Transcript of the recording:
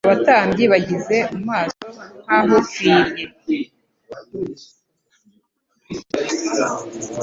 Abatambyi bagize mu maso nk'ah'upfirye.